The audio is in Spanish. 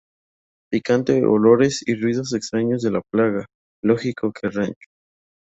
Picante olores y ruidos extraños de la plaga "lógico que Rancho".